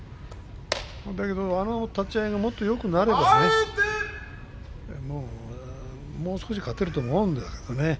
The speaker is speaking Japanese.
だから、あの立ち合いがもっとよくなればもう少し勝てると思うんだけどね。